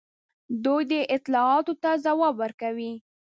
دوی دې اطلاعاتو ته ځواب ورکوي.